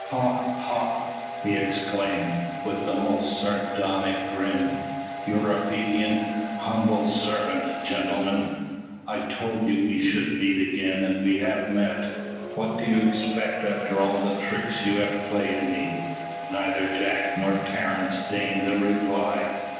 "Ha! ha!" he exclaimed, with a most sardonic grin. "Your obedient humble servant, gentlemen. I told you we should meet again, and we have met. What do you expect after all the tricks you have played me?" Neither Jack nor Terence deigned a reply.